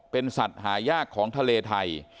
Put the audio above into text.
เป็นสัตว์หายากของทะเลไทย